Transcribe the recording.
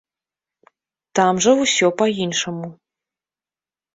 Там жа ўсё па-іншаму.